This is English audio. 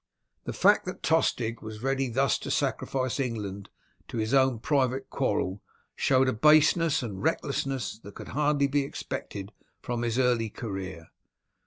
The fact that Tostig was ready thus to sacrifice England to his own private quarrel showed a baseness and recklessness that could hardly be expected from his early career.